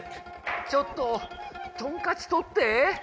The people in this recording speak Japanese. ちょっとトンカチとって！